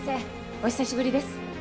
お久しぶりです